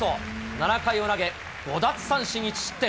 ７回を投げ、５奪三振１失点。